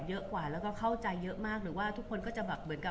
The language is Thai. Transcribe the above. บุ๋มประดาษดาก็มีคนมาให้กำลังใจเยอะ